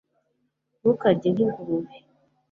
ntukarye nk'ingurube